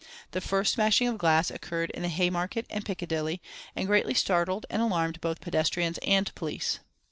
The first smashing of glass occurred in the Haymarket and Piccadilly, and greatly startled and alarmed both pedestrians and police.